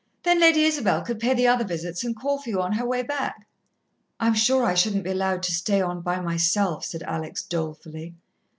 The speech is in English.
"Then Lady Isabel could pay the other visits and call for you on her way back." "I'm sure I shouldn't be allowed to stay on by myself," said Alex dolefully.